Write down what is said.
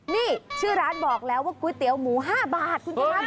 นี่ชื่อร้านบอกแล้วว่าก๋วยเตี๋ยวหมู๕บาทคุณชนะ